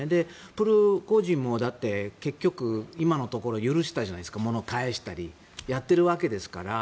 プリゴジンも結局今のところ許したじゃないですか物を返したりやっているわけですから。